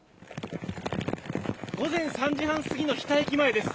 午前３時半過ぎの日田駅前です。